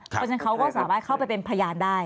เพราะฉะนั้นเขาก็สามารถเข้าไปเป็นพยานได้